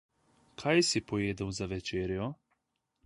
Kaj si pojedel za večerjo?